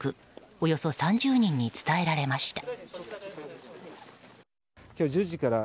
およそ３０人に伝えられました。